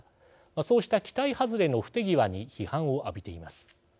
そうした期待外れの不手際に批判を浴びています。